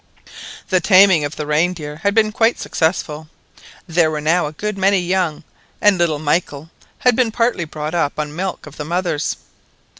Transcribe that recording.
The taming of the reindeer had been quite successful; there were now a good many young, and little Michael had been partly brought up on the milk of the mothers.